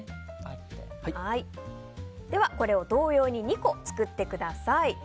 では、これを同様に２個作ってください。